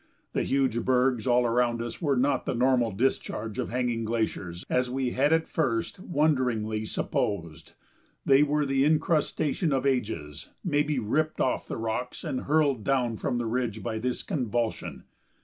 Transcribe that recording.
The huge bergs all around us were not the normal discharge of hanging glaciers as we had at first wonderingly supposed; they were the incrustation of ages, maybe, ripped off the rocks and hurled down from the ridge by this convulsion.